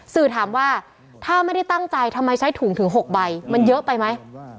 สื่อถามว่าถ้าไม่ได้ตั้งใจทำไมใช้ถุงถึง๖ใบมันเยอะไปไหม